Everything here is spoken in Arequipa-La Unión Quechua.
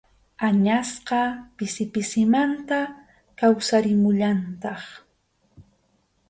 Añasqa pisi pisimanta kawsarimullantaq.